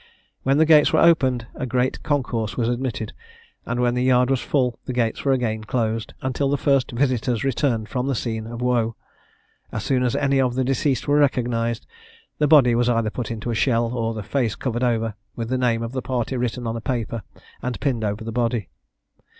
When the gates were opened, a great concourse was admitted; and when the yard was full, the gates were again closed, until the first visitors returned from the scene of woe: as soon as any of the deceased were recognised, the body was either put into a shell or the face covered over, with the name of the party written on a paper, and pinned over the body.